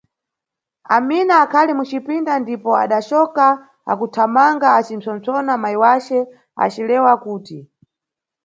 Amina akhali mucipinda, ndipo adacoka akuthamanga acimpsompsona mayi wace acilewa kuti